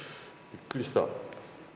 びっくりした。